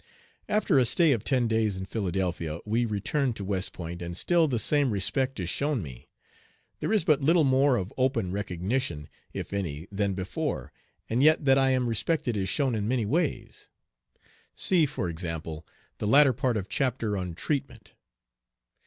After a stay of ten days in Philadelphia, we return to West Point, and still the same respect is shown me. There is but little more of open recognition, if any, than before, and yet that I am respected is shown in many ways. See, for example, the latter part of chapter on "Treatment."